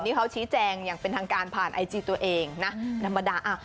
นี่เขาชี้แจงอย่างเป็นทางการผ่านไอจีตัวเองนะธรรมดา